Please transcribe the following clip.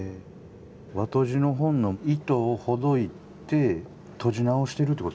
和とじの本の糸をほどいてとじ直してるってことですよね？